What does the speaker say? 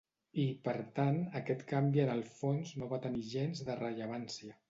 I, per tant, aquest canvi en el fons no va tenir gens de rellevància.